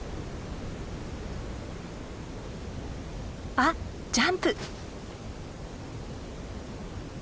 あっジャンプ！